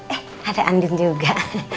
eh ada andung juga